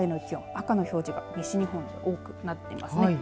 赤の表示は西日本で多くなっていますね。